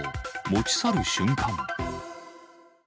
持ち去る瞬間。